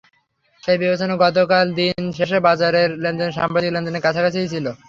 সেই বিবেচনায় গতকাল দিন শেষে বাজারের লেনদেন সাম্প্রতিক লেনদেনের কাছাকাছিই ছিল।